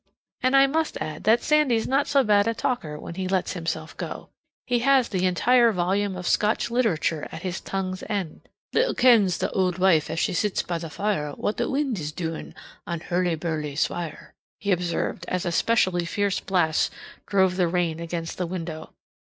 And I must add that Sandy's not so bad a talker when he lets himself go. He has the entire volume of Scotch literature at his tongue's end. "Little kens the auld wife as she sits by the fire what the wind is doing on Hurly Burly Swire," he observed as a specially fierce blast drove the rain against the window.